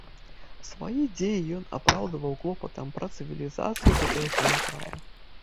Свае дзеі ён апраўдваў клопатам пра цывілізацыю тутэйшага края.